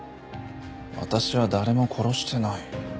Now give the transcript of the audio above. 私は誰も殺してない。